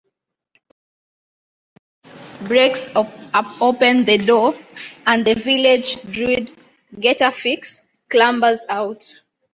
Obelix breaks open the door, and the village druid, Getafix, clambers out.